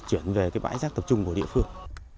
chuyển về cái bãi rác tập trung của địa phương